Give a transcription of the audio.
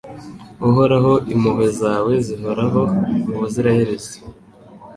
Uhoraho impuhwe zawe zihoraho ubuziraherezo